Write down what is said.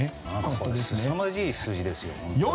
すさまじい数字ですよ。